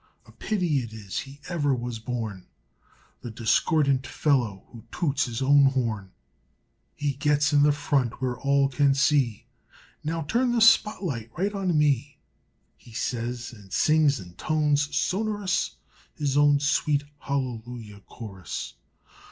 A pity it is he ever was born The discordant fellow who toots his own horn. He gets in the front where all can see "Now turn the spot light right on me," He says, and sings in tones sonorous His own sweet halleluiah chorus.